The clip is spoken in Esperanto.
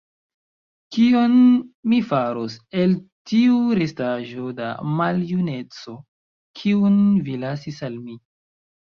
Kion mi faros el tiu restaĵo da maljuneco, kiun vi lasis al mi?